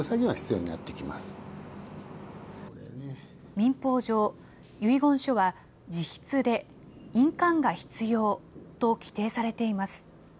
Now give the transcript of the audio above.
民法上、遺言書は、自筆で、印鑑が必要と規定されています。